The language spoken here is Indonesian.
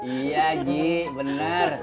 iya haji bener